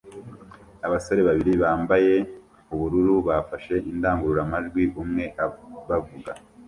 Abasore babiri bambaye ubururu bafashe indangururamajwi umwe bavuga